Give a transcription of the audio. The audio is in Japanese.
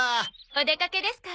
お出かけですか？